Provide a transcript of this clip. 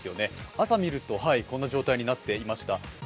朝見ると、この状態になっていました。